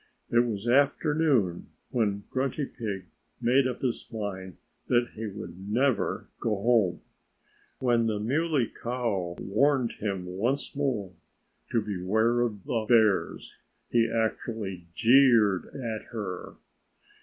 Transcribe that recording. It was afternoon when Grunty Pig made up his mind that he would never go home. When the Muley Cow warned him once more to beware of the bears he actually jeered at her.